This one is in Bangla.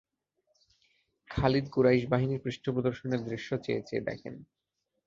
খালিদ কুরাইশ বাহিনীর পৃষ্ঠ প্রদর্শনের দৃশ্য চেয়ে চেয়ে দেখেন।